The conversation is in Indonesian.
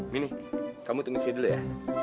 sini kamu tunggu sedikit ya